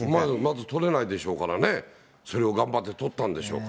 まず取れないですからね、それを頑張って取ったんでしょうか